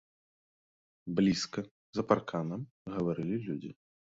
Блізка, за парканам, гаварылі людзі.